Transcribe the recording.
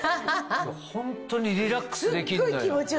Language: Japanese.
ホントにリラックスできんのよ。